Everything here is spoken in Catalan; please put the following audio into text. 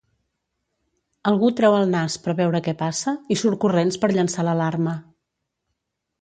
Algú treu el nas per veure què passa i surt corrents per llançar l'alarma.